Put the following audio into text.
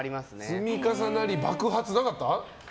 積み重なり、爆発はなかった？